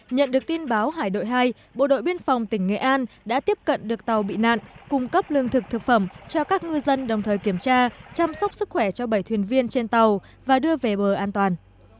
nhận được tin báo hải đội hai bộ đội biên phòng tỉnh nghệ an đã tiếp cận được tàu bị nạn cung cấp lương thực thực phẩm cho các ngư dân đồng thời kiểm tra chăm sóc sức khỏe cho bảy thuyền viên trên tàu và đưa về bờ an toàn